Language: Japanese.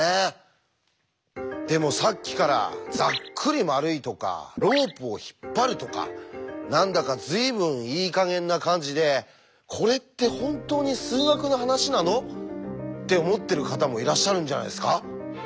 でもさっきから「ざっくり丸い」とか「ロープを引っ張る」とか何だか随分いい加減な感じで「これって本当に数学の話なの？」って思ってる方もいらっしゃるんじゃないですか？